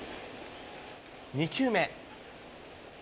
２球目。